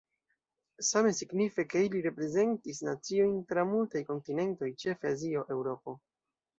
Same signife, ke ili reprezentis naciojn tra multaj kontinentoj, ĉefe Azio, Eŭropo.